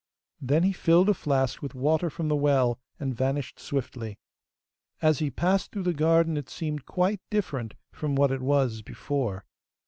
Then he filled a flask with water from the well, and vanished swiftly. As he passed through the garden it seemed quite different from what it was before.